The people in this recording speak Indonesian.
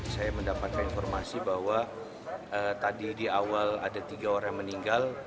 saya mendapatkan informasi bahwa tadi di awal ada tiga orang yang meninggal